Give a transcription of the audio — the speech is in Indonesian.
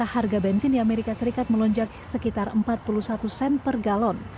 harga bensin di amerika serikat melonjak sekitar empat puluh satu sen per galon